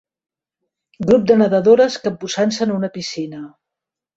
Grup de nedadores capbussant-se en una piscina.